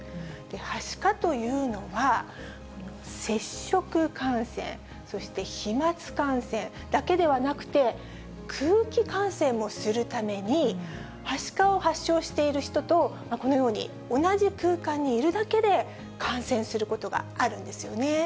はしかというのは、接触感染、そして飛まつ感染だけではなくて、空気感染もするために、はしかを発症している人と、このように、同じ空間にいるだけで、感染することがあるんですよね。